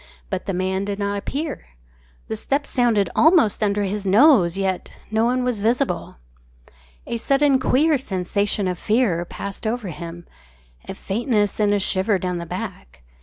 But the man did not appear. The steps sounded almost under his nose, yet no one was visible. A sudden queer sensation of fear passed over him a faintness and a shiver down the back.